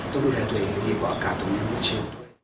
โปรดติดตามตอนต่อไป